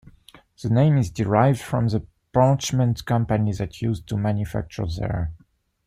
The name is derived from the parchment company that used to manufacture there.